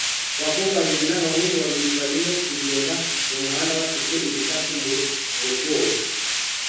Abakobwa babiri n'abahungu babiri barimo kugenda mumuhanda bafite ibikapu mu mugongo